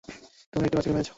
তুমি একটি বাচ্চাকে মেরেছো।